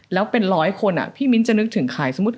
แล้วถ้าเป็นร้อยคนอ่ะพี่มิ้นท์จะนึกถึงขายสมมุติ